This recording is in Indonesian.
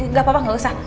gak apa apa gak usah